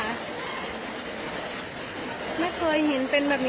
น้ำไหลแรงมากค่ะ